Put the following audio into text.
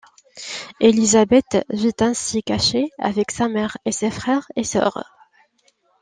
Élisabeth vit ainsi cachée avec sa mère et ses frères et sœurs.